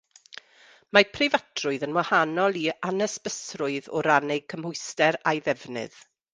Mae preifatrwydd yn wahanol i anhysbysrwydd o ran ei gymhwyster a'i ddefnydd.